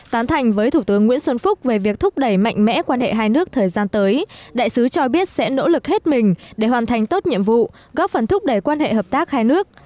tán thành với thủ tướng nguyễn xuân phúc về việc thúc đẩy mạnh mẽ quan hệ hai nước thời gian tới đại sứ cho biết sẽ nỗ lực hết mình để hoàn thành tốt nhiệm vụ góp phần thúc đẩy quan hệ hợp tác hai nước